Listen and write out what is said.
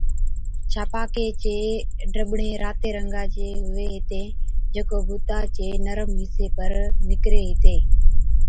ڇاپاڪي چين ڊٻڙين راتي رنگا چي هُوي هِتين، جڪو بُتا چي نرم حِصي پر نِڪري هِتين